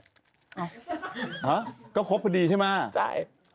ฮะก็ครบพอดีใช่ไหมใช่